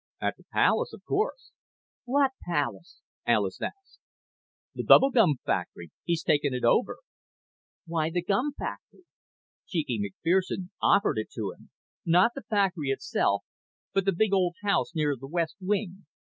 "At the palace, of course." "What palace?" Alis asked. "The bubble gum factory. He's taken it over." "Why the gum factory?" "Cheeky McFerson offered it to him. Not the factory itself but the big old house near the west wing.